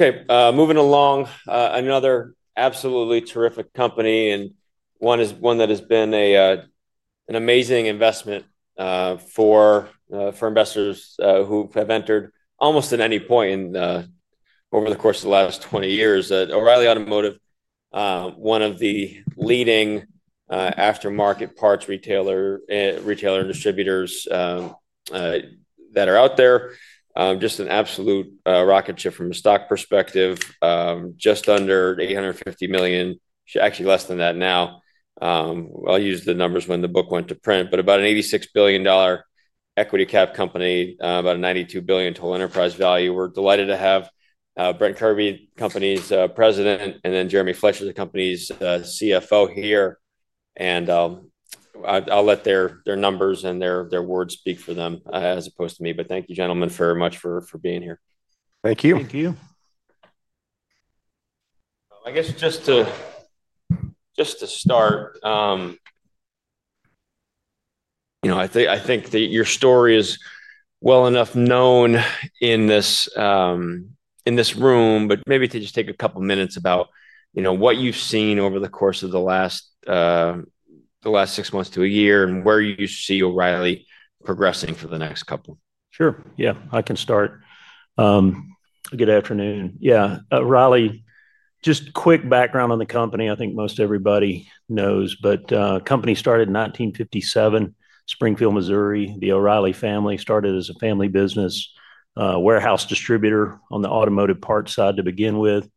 Okay. Moving along, another absolutely terrific company, and one that has been an amazing investment for investors who have entered almost at any point over the course of the last 20 years. O'Reilly Automotive, one of the leading aftermarket parts retailer and distributors that are out there, just an absolute rocket ship from a stock perspective, just under 850 million, actually less than that now. I'll use the numbers when the book went to print, but about an $86 billion equity cap company, about a $92 billion total enterprise value. We're delighted to have Brent Kirby, the company's president, and then Jeremy Fletcher, the company's CFO here. And I'll let their numbers and their words speak for them as opposed to me. But thank you, gentlemen, very much for being here. Thank you. Thank you. I guess just to start. I think your story is well enough known in this room, but maybe to just take a couple of minutes about what you've seen over the course of the last six months to a year and where you see O'Reilly progressing for the next couple. Sure. Yeah. I can start. Good afternoon. Yeah. O'Reilly, just quick background on the company. I think most everybody knows, but the company started in 1957, Springfield, Missouri. The O'Reilly family started as a family business. Warehouse distributor on the automotive parts side to begin with.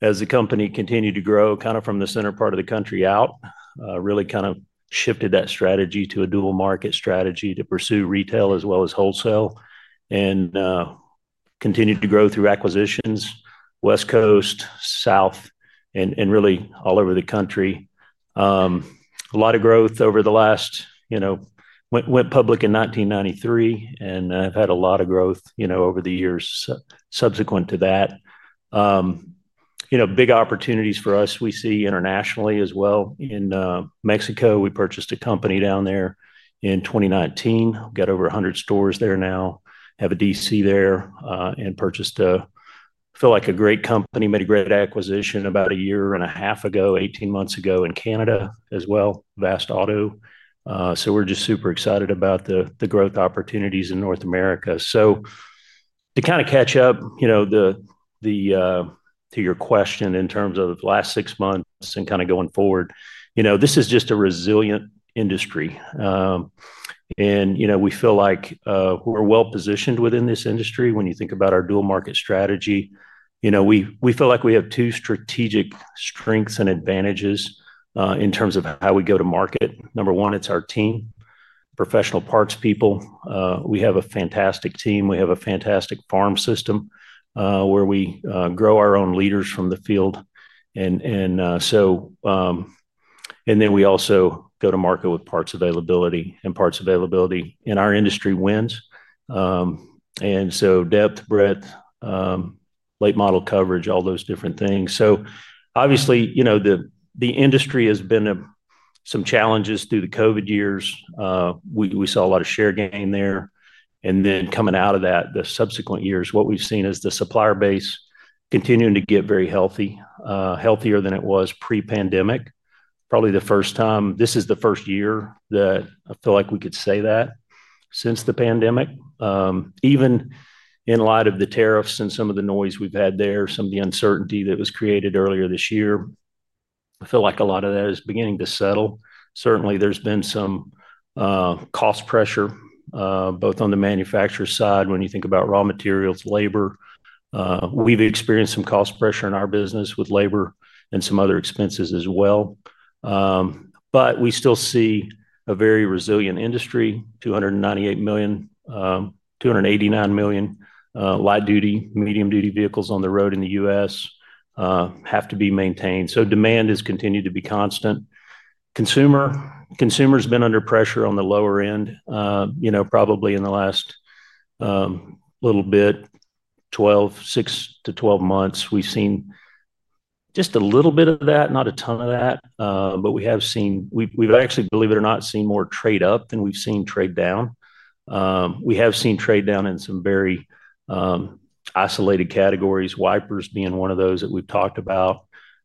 As the company continued to grow kind of from the center part of the country out, really kind of shifted that strategy to a dual market strategy to pursue retail as well as wholesale and. Continued to grow through acquisitions, West Coast, South, and really all over the country. A lot of growth over the last. Went public in 1993, and I've had a lot of growth over the years subsequent to that. Big opportunities for us. We see internationally as well. In Mexico, we purchased a company down there in 2019. We've got over 100 stores there now, have a DC there, and purchased. I feel like a great company, made a great acquisition about a year and a half ago, 18 months ago in Canada as well, Vast-Auto. So we're just super excited about the growth opportunities in North America. So. To kind of catch up to your question in terms of last six months and kind of going forward, this is just a resilient industry. And we feel like we're well positioned within this industry. When you think about our dual market strategy, we feel like we have two strategic strengths and advantages in terms of how we go to market. Number one, it's our team, professional parts people. We have a fantastic team. We have a fantastic farm system where we grow our own leaders from the field. And then we also go to market with parts availability, and parts availability in our industry wins. And so depth, breadth. Late model coverage, all those different things. So obviously, the industry has been some challenges through the COVID years. We saw a lot of share gain there. And then coming out of that, the subsequent years, what we've seen is the supplier base continuing to get very healthy, healthier than it was pre-pandemic. Probably the first time, this is the first year that I feel like we could say that. Since the pandemic. Even in light of the tariffs and some of the noise we've had there, some of the uncertainty that was created earlier this year, I feel like a lot of that is beginning to settle. Certainly, there's been some. Cost pressure. Both on the manufacturer side when you think about raw materials, labor. We've experienced some cost pressure in our business with labor and some other expenses as well. But we still see a very resilient industry, 289 million. Light-duty, medium-duty vehicles on the road in the U.S. Have to be maintained. So demand has continued to be constant. Consumer has been under pressure on the lower end. Probably in the last. Little bit, 6 to 12 months, we've seen. Just a little bit of that, not a ton of that, but we have seen, we've actually, believe it or not, seen more trade up than we've seen trade down. We have seen trade down in some very isolated categories, wipers being one of those that we've talked about.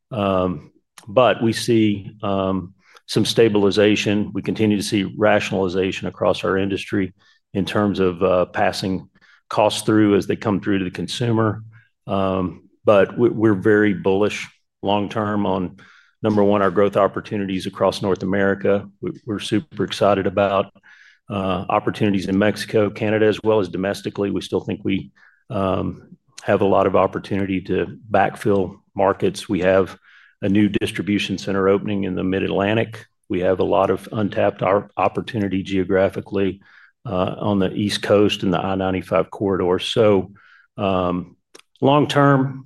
But we see some stabilization. We continue to see rationalization across our industry in terms of passing costs through as they come through to the consumer. But we're very bullish long term on, number one, our growth opportunities across North America. We're super excited about opportunities in Mexico, Canada, as well as domestically. We still think we have a lot of opportunity to backfill markets. We have a new distribution center opening in the Mid-Atlantic. We have a lot of untapped opportunity geographically on the East Coast and the I-95 Corridor. So long term,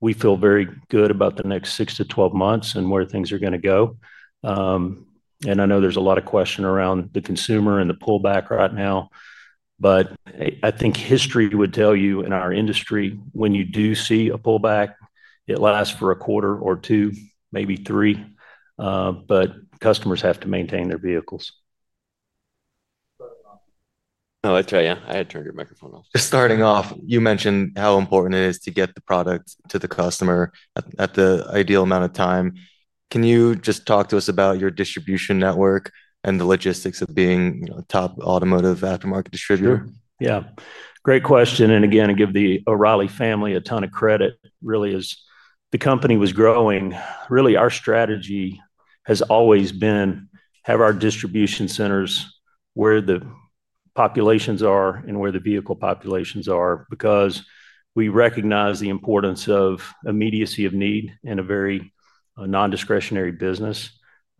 we feel very good about the next 6 to 12 months and where things are going to go. And I know there's a lot of question around the consumer and the pullback right now. But I think history would tell you in our industry, when you do see a pullback, it lasts for a quarter or two, maybe three. But customers have to maintain their vehicles. I'll tell you, I had to turn your microphone off. Starting off, you mentioned how important it is to get the product to the customer at the ideal amount of time. Can you just talk to us about your distribution network and the logistics of being a top automotive aftermarket distributor? Sure. Yeah. Great question. And again, I give the O'Reilly family a ton of credit. Really, as the company was growing, really our strategy has always been to have our distribution centers where the populations are and where the vehicle populations are because we recognize the importance of immediacy of need in a very non-discretionary business.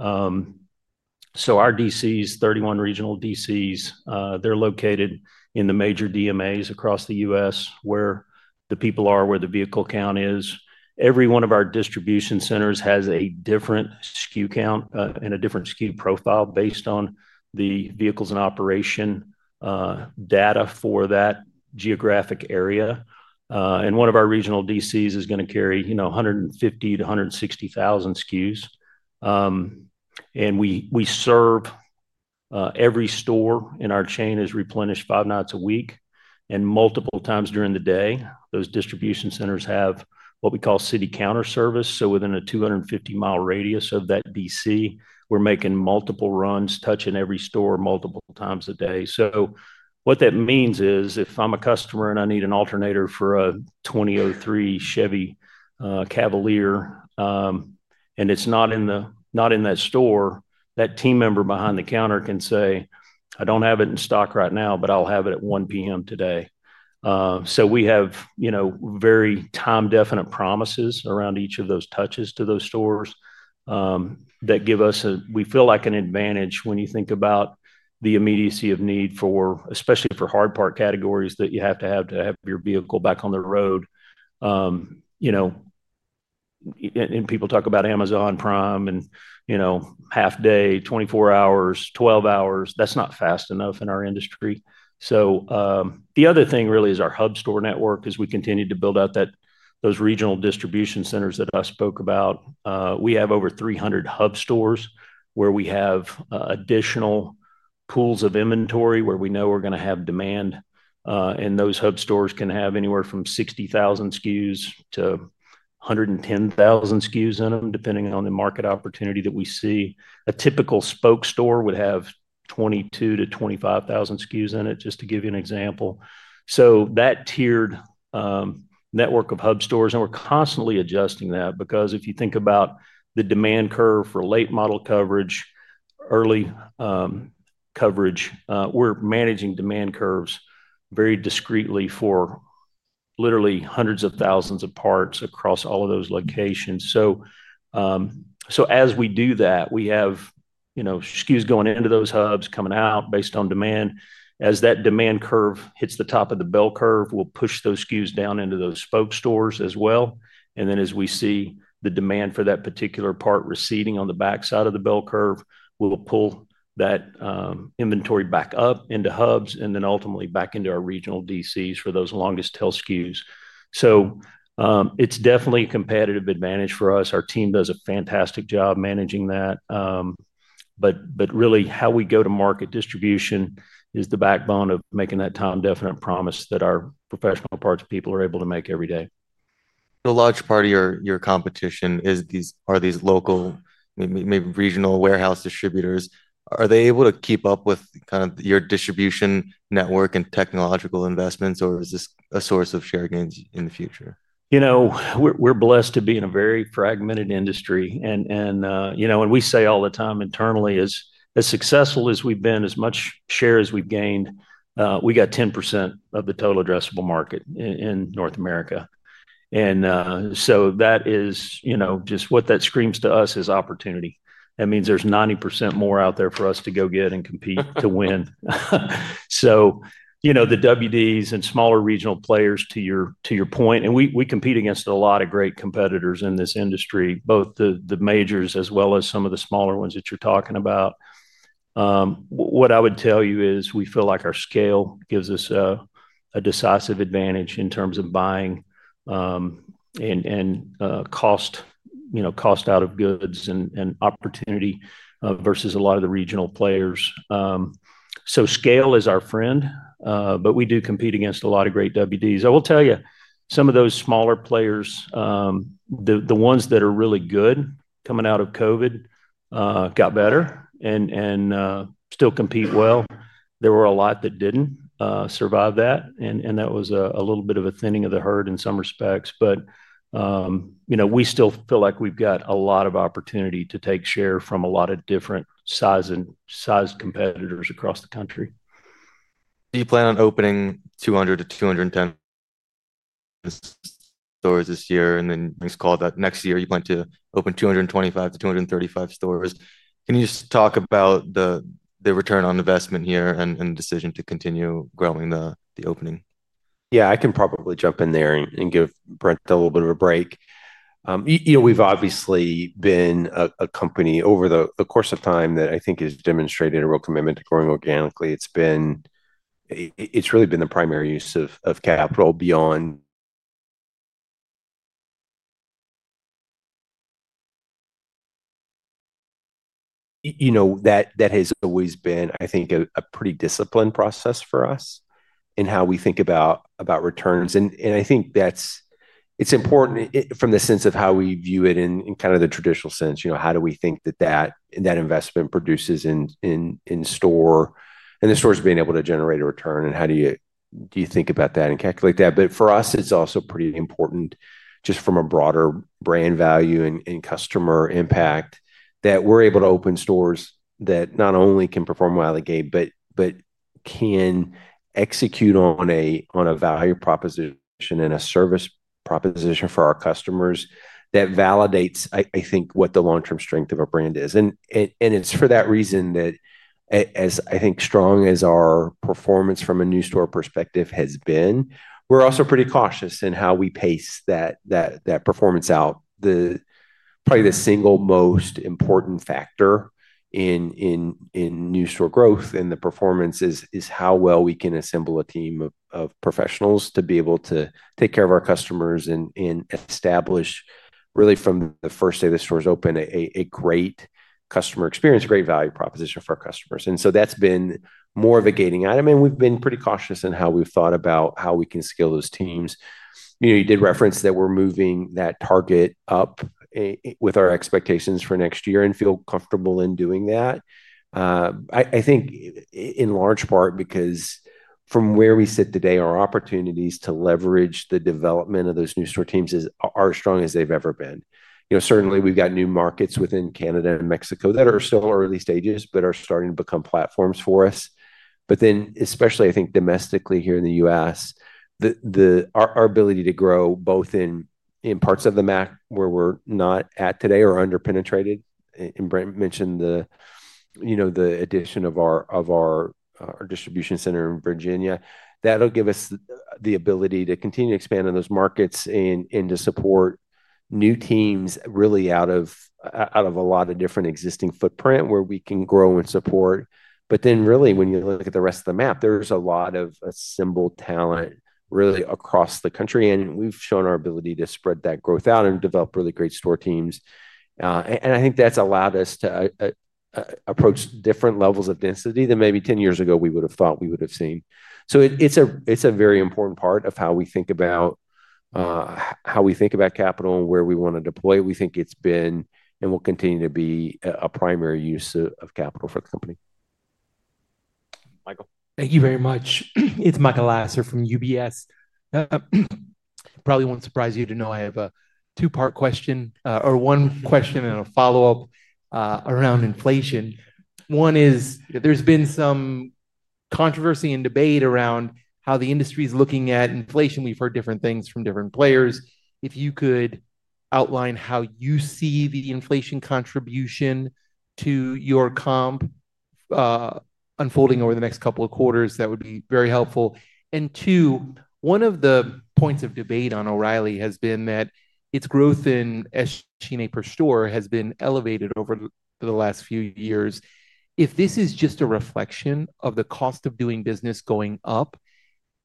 So our DCs, 31 regional DCs, they're located in the major DMAs across the US where the people are, where the vehicle count is. Every one of our distribution centers has a different SKU count and a different SKU profile based on the vehicles and operation. Data for that geographic area. And one of our regional DCs is going to carry 150-160,000 SKUs. And we serve. Every store in our chain is replenished five nights a week and multiple times during the day. Those distribution centers have what we call city counter service. So within a 250-mile radius of that DC, we're making multiple runs, touching every store multiple times a day. So what that means is if I'm a customer and I need an alternator for a 2003 Chevy Cavalier. And it's not in that store, that team member behind the counter can say, "I don't have it in stock right now, but I'll have it at 1:00 P.M. today." So we have. Very time-definite promises around each of those touches to those stores. That give us, we feel like, an advantage when you think about the immediacy of need for, especially for hard part categories that you have to have to have your vehicle back on the road. And people talk about Amazon Prime and. Half day, 24 hours, 12 hours. That's not fast enough in our industry. So the other thing really is our hub store network as we continue to build out those regional distribution centers that I spoke about. We have over 300 hub stores where we have additional. Pools of inventory where we know we're going to have demand. And those hub stores can have anywhere from 60,000-110,000 SKUs in them, depending on the market opportunity that we see. A typical spoke store would have 22-25,000 SKUs in it, just to give you an example. So that tiered. Network of hub stores, and we're constantly adjusting that because if you think about the demand curve for late model coverage, early. Coverage, we're managing demand curves very discreetly for. Literally hundreds of thousands of parts across all of those locations. So. As we do that, we have. SKUs going into those hubs, coming out based on demand. As that demand curve hits the top of the bell curve, we'll push those SKUs down into those spoke stores as well. And then as we see the demand for that particular part receding on the backside of the bell curve, we'll pull that. Inventory back up into hubs and then ultimately back into our regional DCs for those longest tail SKUs. So. It's definitely a competitive advantage for us. Our team does a fantastic job managing that. But really, how we go to market distribution is the backbone of making that time-definite promise that our professional parts people are able to make every day. The large part of your competition are these local, maybe regional warehouse distributors. Are they able to keep up with kind of your distribution network and technological investments, or is this a source of share gains in the future? We're blessed to be in a very fragmented industry. We say all the time internally, as successful as we've been, as much share as we've gained, we got 10% of the total addressable market in North America. So that is just what that screams to us is opportunity. That means there's 90% more out there for us to go get and compete to win. The WDs and smaller regional players, to your point, and we compete against a lot of great competitors in this industry, both the majors as well as some of the smaller ones that you're talking about. What I would tell you is we feel like our scale gives us a decisive advantage in terms of buying and cost of goods and opportunity versus a lot of the regional players. Scale is our friend, but we do compete against a lot of great WDs. I will tell you, some of those smaller players, the ones that are really good coming out of COVID, got better and still compete well. There were a lot that didn't survive that. That was a little bit of a thinning of the herd in some respects. We still feel like we've got a lot of opportunity to take share from a lot of different sized competitors across the country. You plan on opening 200 to 210 stores this year, and then next year, you plan to open 225 to 235 stores. Can you just talk about the return on investment here and the decision to continue growing the opening? Yeah, I can probably jump in there and give Brent a little bit of a break. We've obviously been a company over the course of time that I think has demonstrated a real commitment to growing organically. It's really been the primary use of capital. Beyond that has always been, I think, a pretty disciplined process for us in how we think about returns. And I think it's important from the sense of how we view it in kind of the traditional sense, how do we think that that investment produces in the store and the stores being able to generate a return, and how do you think about that and calculate that? But for us, it's also pretty important just from a broader brand value and customer impact that we're able to open stores that not only can perform well at the gate, but can execute on a value proposition and a service proposition for our customers that validates, I think, what the long-term strength of a brand is. And it's for that reason that as I think strong as our performance from a new store perspective has been, we're also pretty cautious in how we pace that performance out. Probably the single most important factor in new store growth and the performance is how well we can assemble a team of professionals to be able to take care of our customers and establish, really, from the first day the stores open, a great customer experience, a great value proposition for our customers. And so that's been more of a gating item. And we've been pretty cautious in how we've thought about how we can scale those teams. You did reference that we're moving that target up with our expectations for next year and feel comfortable in doing that. I think in large part because from where we sit today, our opportunities to leverage the development of those new store teams are as strong as they've ever been. Certainly, we've got new markets within Canada and Mexico that are still early stages, but are starting to become platforms for us. But then especially, I think, domestically here in the U.S. Our ability to grow both in parts of the Mid-Atlantic where we're not at today or under-penetrated. And Brent mentioned the addition of our distribution center in Virginia. That'll give us the ability to continue to expand in those markets and to support new teams really out of a lot of different existing footprint where we can grow and support. But then really, when you look at the rest of the map, there's a lot of assembled talent really across the country. And we've shown our ability to spread that growth out and develop really great store teams. And I think that's allowed us to approach different levels of density than maybe 10 years ago we would have thought we would have seen. So it's a very important part of how we think about. How we think about capital and where we want to deploy it. We think it's been and will continue to be a primary use of capital for the company. Michael. Thank you very much. It's Michael Lasser from UBS. Probably won't surprise you to know I have a two-part question or one question and a follow-up. Around inflation. One is there's been some controversy and debate around how the industry is looking at inflation. We've heard different things from different players. If you could outline how you see the inflation contribution to your comp unfolding over the next couple of quarters, that would be very helpful. And two, one of the points of debate on O'Reilly has been that its growth in SG&A per store has been elevated over the last few years. If this is just a reflection of the cost of doing business going up,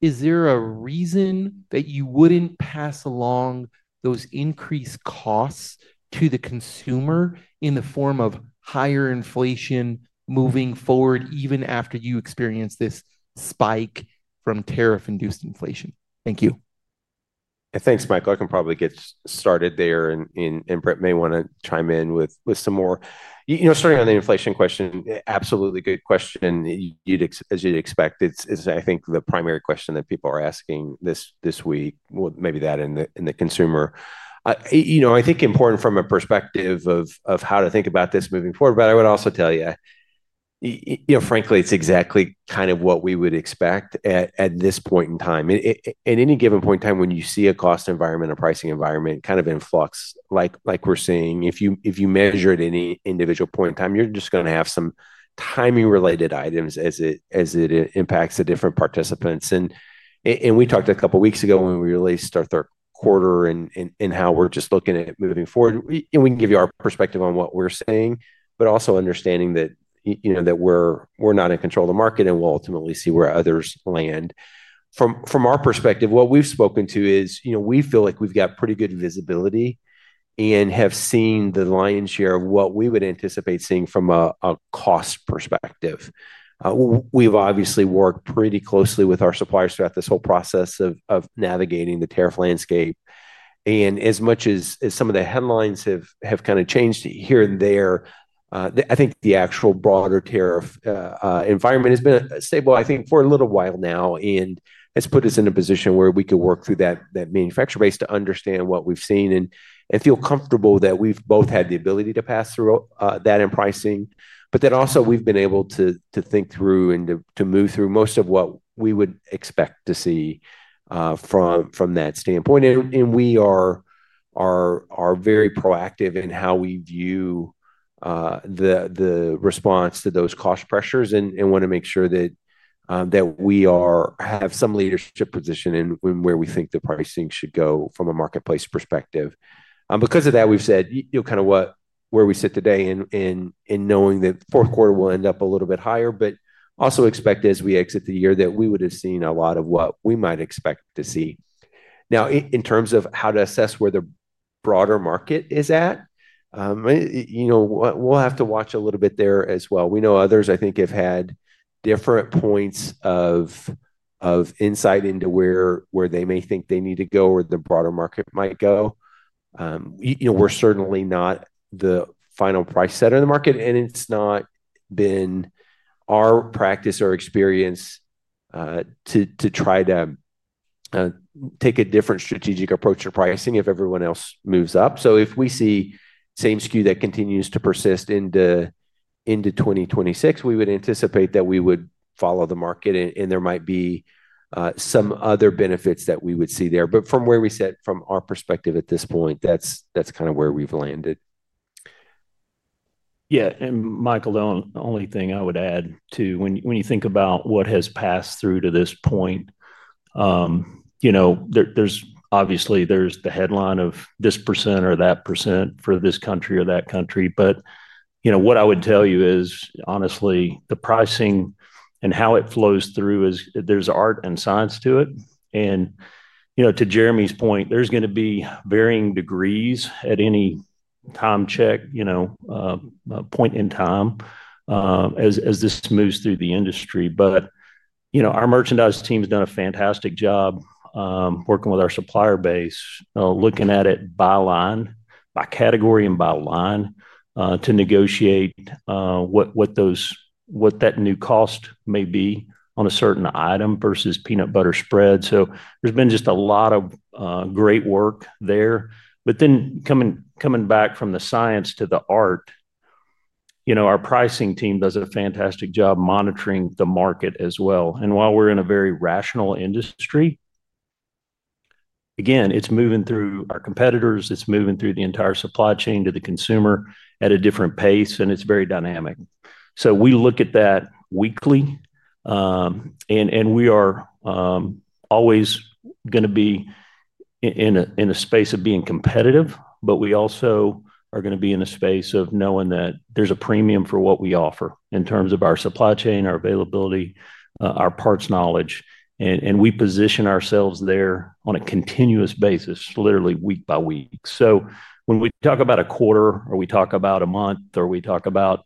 is there a reason that you wouldn't pass along those increased costs to the consumer in the form of higher inflation moving forward, even after you experience this spike from tariff-induced inflation? Thank you. Thanks, Michael. I can probably get started there. And Brent may want to chime in with some more. Starting on the inflation question, absolutely good question. As you'd expect, it's, I think, the primary question that people are asking this week, maybe that and the consumer. I think important from a perspective of how to think about this moving forward. But I would also tell you, frankly, it's exactly kind of what we would expect at this point in time. At any given point in time, when you see a cost environment, a pricing environment kind of in flux like we're seeing, if you measure at any individual point in time, you're just going to have some timing-related items as it impacts the different participants. And we talked a couple of weeks ago when we released our third quarter and how we're just looking at moving forward. And we can give you our perspective on what we're saying, but also understanding that. We're not in control of the market and we'll ultimately see where others land. From our perspective, what we've spoken to is we feel like we've got pretty good visibility and have seen the lion's share of what we would anticipate seeing from a cost perspective. We've obviously worked pretty closely with our suppliers throughout this whole process of navigating the tariff landscape. And as much as some of the headlines have kind of changed here and there, I think the actual broader tariff environment has been stable, I think, for a little while now. And it's put us in a position where we could work through that manufacturer base to understand what we've seen and feel comfortable that we've both had the ability to pass through that in pricing. But then also we've been able to think through and to move through most of what we would expect to see. From that standpoint, and we are very proactive in how we view the response to those cost pressures and want to make sure that we have some leadership position in where we think the pricing should go from a marketplace perspective. Because of that, we've said kind of where we sit today and knowing that fourth quarter will end up a little bit higher, but also expect as we exit the year that we would have seen a lot of what we might expect to see. Now, in terms of how to assess where the broader market is at, we'll have to watch a little bit there as well. We know others, I think, have had different points of insight into where they may think they need to go or the broader market might go. We're certainly not the final price setter in the market, and it's not been our practice or experience to try to take a different strategic approach to pricing if everyone else moves up. So if we see same SKU that continues to persist into. 2026, we would anticipate that we would follow the market, and there might be some other benefits that we would see there. But from where we sit, from our perspective at this point, that's kind of where we've landed. Yeah. Michael, the only thing I would add to when you think about what has passed through to this point. Obviously, there's the headline of this percent or that percent for this country or that country. What I would tell you is, honestly, the pricing and how it flows through is there's art and science to it. To Jeremy's point, there's going to be varying degrees at any time checkpoint in time. As this moves through the industry. Our merchandise team has done a fantastic job working with our supplier base, looking at it by line, by category, and by line to negotiate what that new cost may be on a certain item versus peanut butter spread. There's been just a lot of great work there. Coming back from the science to the art, our pricing team does a fantastic job monitoring the market as well. While we're in a very rational industry, it's moving through our competitors. It's moving through the entire supply chain to the consumer at a different pace, and it's very dynamic. We look at that weekly. We are always going to be in a space of being competitive, but we also are going to be in a space of knowing that there's a premium for what we offer in terms of our supply chain, our availability, our parts knowledge. We position ourselves there on a continuous basis, literally week by week. When we talk about a quarter, or we talk about a month, or we talk about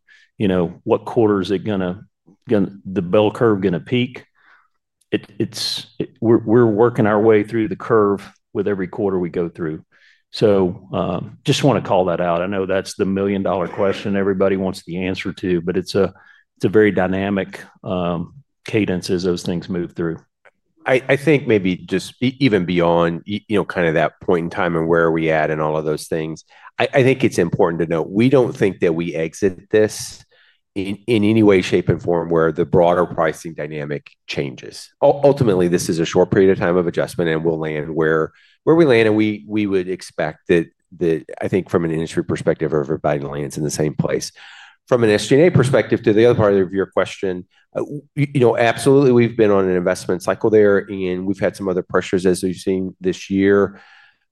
what quarter is it going to the bell curve going to peak, we're working our way through the curve with every quarter we go through. Just want to call that out. I know that's the million-dollar question everybody wants the answer to, but it's a very dynamic cadence as those things move through. I think maybe just even beyond kind of that point in time and where we at and all of those things, I think it's important to note we don't think that we exit this in any way, shape, and form where the broader pricing dynamic changes. Ultimately, this is a short period of time of adjustment, and we'll land where we land, and we would expect that, I think, from an industry perspective, everybody lands in the same place. From an SG&A perspective to the other part of your question, absolutely, we've been on an investment cycle there, and we've had some other pressures as we've seen this year.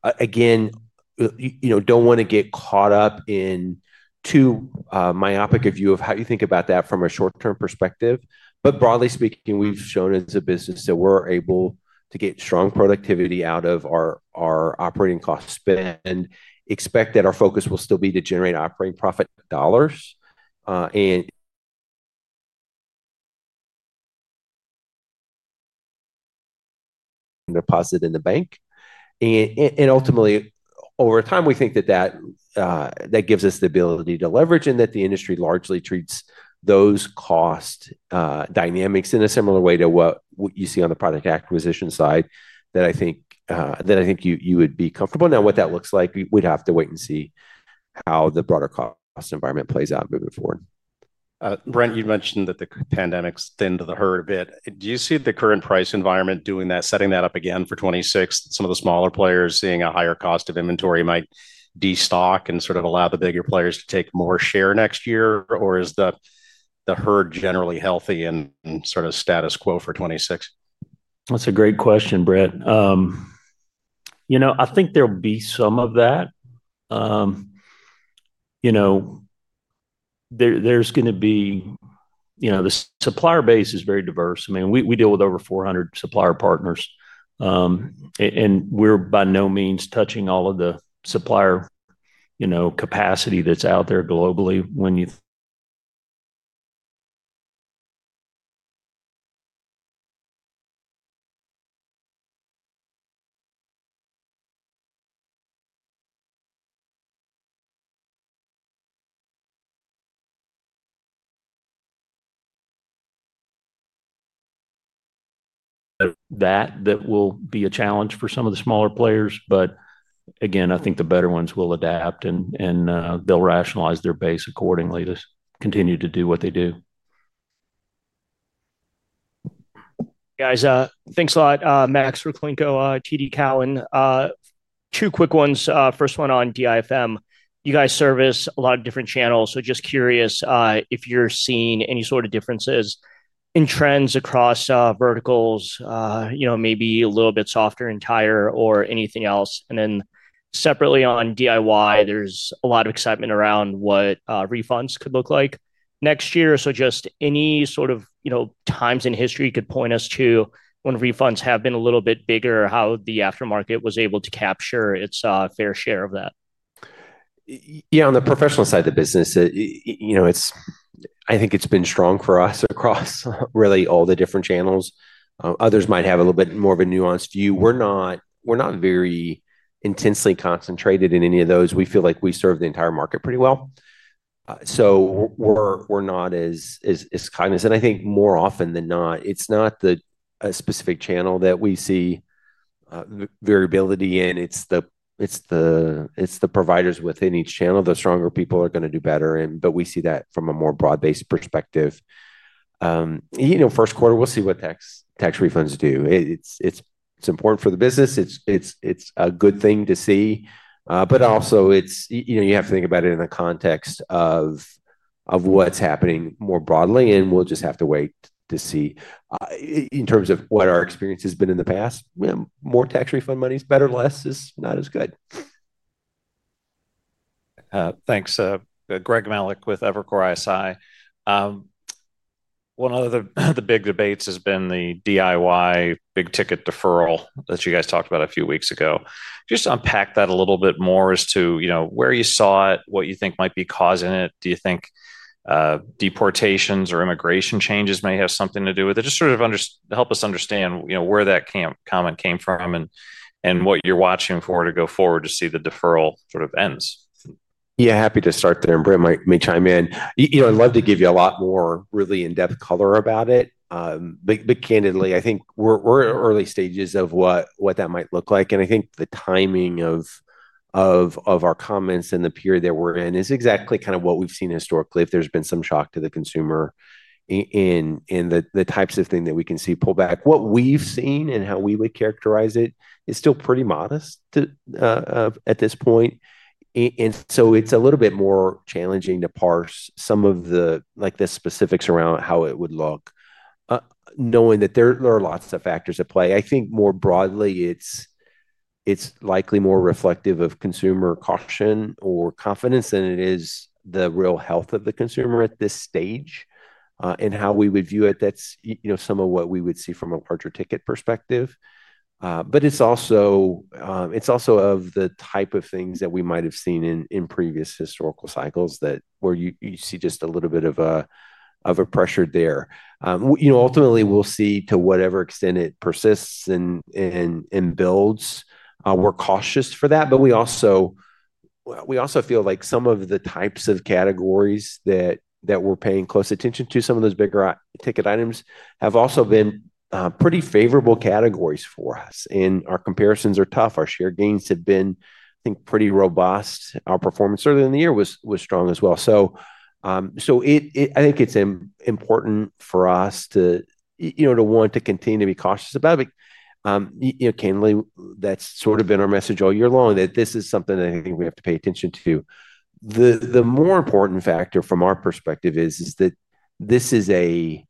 Again, don't want to get caught up in too myopic a view of how you think about that from a short-term perspective. But broadly speaking, we've shown as a business that we're able to get strong productivity out of our operating cost spend and expect that our focus will still be to generate operating profit dollars and deposit in the bank. And ultimately, over time, we think that that gives us the ability to leverage and that the industry largely treats those cost dynamics in a similar way to what you see on the product acquisition side that I think you would be comfortable. Now, what that looks like, we'd have to wait and see how the broader cost environment plays out moving forward. Brent, you mentioned that the pandemic's thinned the herd a bit. Do you see the current price environment doing that, setting that up again for 2026? Some of the smaller players seeing a higher cost of inventory might destock and sort of allow the bigger players to take more share next year. Or is the herd generally healthy and sort of status quo for 2026? That's a great question, Brent. I think there'll be some of that. There's going to be. The supplier base is very diverse. I mean, we deal with over 400 supplier partners and we're by no means touching all of the supplier capacity that's out there globally when you. That will be a challenge for some of the smaller players. But again, I think the better ones will adapt and they'll rationalize their base accordingly to continue to do what they do. Guys, thanks a lot. Max Rakhlenko, TD Cowen. Two quick ones. First one on DIFM. You guys service a lot of different channels. So just curious if you're seeing any sort of differences in trends across verticals, maybe a little bit softer and tighter or anything else. And then separately on DIY, there's a lot of excitement around what refunds could look like next year. So just any sort of times in history could point us to when refunds have been a little bit bigger, how the aftermarket was able to capture its fair share of that. Yeah. On the professional side of the business. I think it's been strong for us across really all the different channels. Others might have a little bit more of a nuanced view. We're not very intensely concentrated in any of those. We feel like we serve the entire market pretty well. So, we're not as cognizant. I think more often than not, it's not the specific channel that we see variability in. It's the providers within each channel. The stronger people are going to do better, but we see that from a more broad-based perspective. First quarter, we'll see what tax refunds do. It's important for the business. It's a good thing to see. But also, you have to think about it in the context of what's happening more broadly, and we'll just have to wait to see. In terms of what our experience has been in the past, more tax refund money is better. Less is not as good. Thanks. Greg Melich with Evercore ISI. One of the big debates has been the DIY big ticket deferral that you guys talked about a few weeks ago. Just unpack that a little bit more as to where you saw it, what you think might be causing it. Do you think deportations or immigration changes may have something to do with it? Just sort of help us understand where that comment came from and what you're watching for to go forward to see the deferral sort of ends. Yeah, happy to start there, and Brent might chime in. I'd love to give you a lot more really in-depth color about it. But candidly, I think we're at early stages of what that might look like. And I think the timing of our comments and the period that we're in is exactly kind of what we've seen historically, if there's been some shock to the consumer. And the types of things that we can see pull back. What we've seen and how we would characterize it is still pretty modest at this point. And so it's a little bit more challenging to parse some of the specifics around how it would look, knowing that there are lots of factors at play. I think more broadly, it's likely more reflective of consumer caution or confidence than it is the real health of the consumer at this stage and how we would view it. That's some of what we would see from a larger ticket perspective. But it's also of the type of things that we might have seen in previous historical cycles where you see just a little bit of a pressure there. Ultimately, we'll see to whatever extent it persists and builds. We're cautious for that. But we also feel like some of the types of categories that we're paying close attention to, some of those bigger ticket items have also been pretty favorable categories for us. And our comparisons are tough. Our share gains have been, I think, pretty robust. Our performance earlier in the year was strong as well. So I think it's important for us to want to continue to be cautious about it. Candidly, that's sort of been our message all year long, that this is something that I think we have to pay attention to. The more important factor from our perspective is that this is an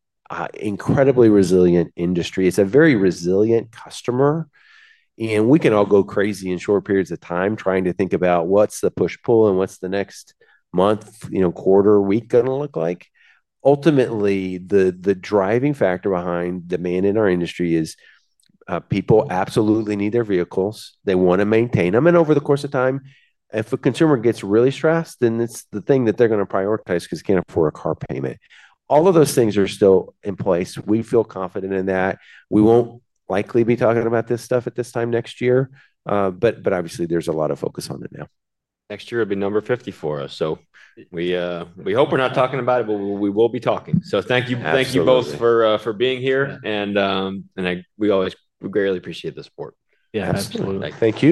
incredibly resilient industry. It's a very resilient customer. And we can all go crazy in short periods of time trying to think about what's the push-pull and what's the next month, quarter, week going to look like. Ultimately, the driving factor behind demand in our industry is people absolutely need their vehicles. They want to maintain them. And over the course of time, if a consumer gets really stressed, then it's the thing that they're going to prioritize because they can't afford a car payment. All of those things are still in place. We feel confident in that. We won't likely be talking about this stuff at this time next year. But obviously, there's a lot of focus on it now. Next year will be number 50 for us. So we hope we're not talking about it, but we will be talking. So thank you both for being here. We always greatly appreciate the support. Yeah, absolutely. Thank you.